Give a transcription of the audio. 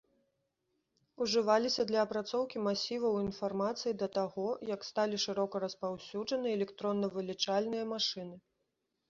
Ужываліся для апрацоўкі масіваў інфармацыі да таго, як сталі шырока распаўсюджаны электронна-вылічальныя машыны.